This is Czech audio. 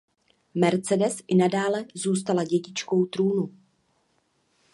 Mercedes i nadále zůstala dědičkou trůnu.